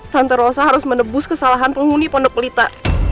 tante rosa harus menebus kesalahan penghuni pondok pelita